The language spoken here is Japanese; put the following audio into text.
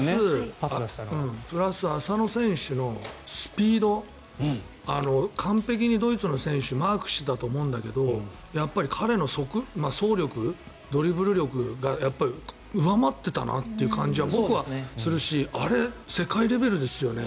プラス浅野選手のスピード完璧にドイツの選手はマークしてたと思うんだけどやっぱり彼の走力ドリブル力が上回っていたなという感じは僕はするしあれ、世界レベルですよね？